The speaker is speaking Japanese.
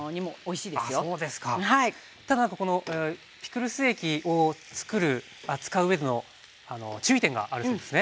ただこのピクルス液をつくる扱ううえでの注意点があるそうですね。